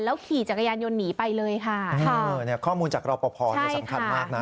แล้วขี่จักรยานยนต์หนีไปเลยค่ะข้อมูลจากรอปภสำคัญมากนะ